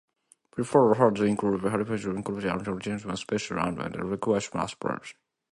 Preferred herbs include "Helichrysum", "Indigofera" and "Tinospora" species and "Leucas aspera".